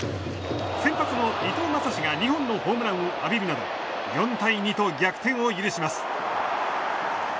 先発の伊藤将司が２本のホームランを浴びるなど４対２と逆転を許します。